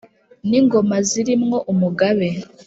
n’ingoma ziri mwo umugabe,